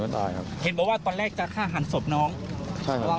แจ๊บต้องทำคนเดียวไหมแจ๊บต้องทำคนเดียวไหมแจ๊บต้องทำคนเดียวไหม